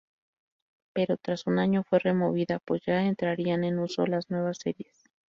Pero tras un año fue removida, pues ya entrarían en uso las nuevas series.